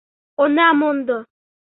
Она мондо...